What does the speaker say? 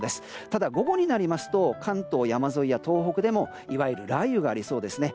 ただ、午後になりますと関東山沿いや東北でもいわゆる雷雨がありそうですね。